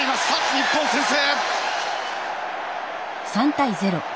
日本先制！